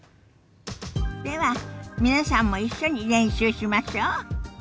では皆さんも一緒に練習しましょ。